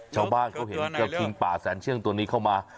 ชาวบ้านเขาเห็นกระทิงป่าแสนเชื่องตัวนี้เข้ามา